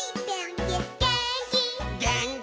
「げーんき」